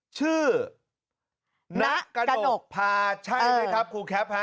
ชื่อนกนกพาใช่ไหมครับครูแคป